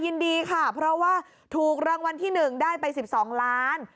ยินดีค่ะเพราะว่าถูกรางวัลที่๑ได้ไป๑๒ล้าน